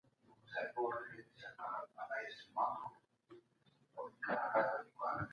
بدلونونه ورته ستړي کوونکي وو.